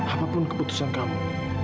apapun keputusan kamu